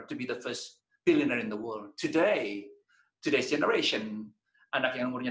menjadi seorang pembayar pertama di dunia hari ini generasi hari ini anak yang umurnya dua puluh